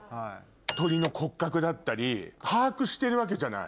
鳥の骨格だったり把握してるわけじゃない。